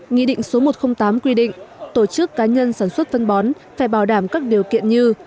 nghị định số một trăm linh tám quy định tổ chức cá nhân sản xuất phân bón phải bảo đảm các điều kiện như